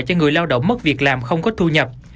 cho người lao động mất việc làm không có thu nhập